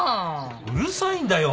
うるさいんだよ